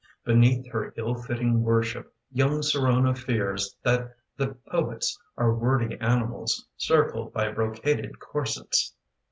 Beneath her ill fitting worship Young Sirona fears That the poets are wordy animals Circled by brocaded corsets.